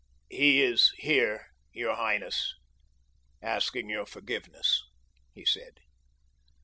"He is here, your highness, asking your forgiveness," he said.